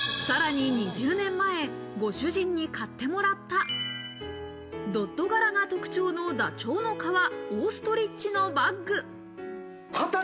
さらに２０年前、ご主人に買ってもらったドット柄が特徴のダチョウの革、オーストリッチのバッグ。